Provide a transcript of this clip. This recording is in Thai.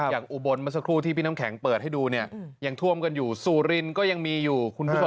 อยากอุบนมาสักครู่ที่พี่น้ำแข็งเปิดให้ดูยังถ้วมกันอยู่สุรินยังมีอยู่